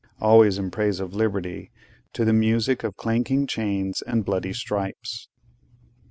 (always in praise of Liberty) to the music of clanking chains and bloody stripes.